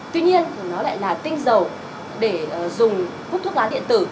tuy nhiên nó lại là tinh dầu để dùng hút thuốc lá điện tử